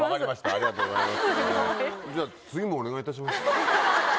ありがとうございます。